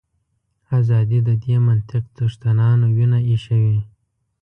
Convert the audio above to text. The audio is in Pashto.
ازادي د دې منطق څښتنانو وینه ایشوي.